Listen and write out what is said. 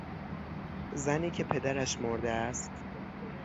زنی که پدرش مرده است